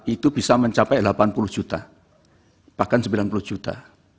itu bisa mencapai delapan puluh juta bahkan sembilan puluh juta